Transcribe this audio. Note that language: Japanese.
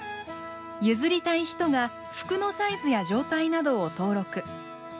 譲りたい人が服のサイズや状態などを登録。